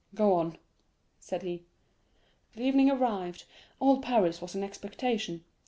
"Go on," said he. "The evening arrived; all Paris was in expectation.